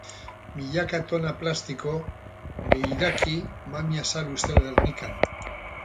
Milaka tona plastiko, beiraki, mami-azal ustel Gernikan.